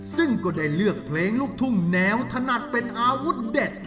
ซึ่งก็ได้เลือกเพลงลูกทุ่งแนวถนัดเป็นอาวุธเด็ด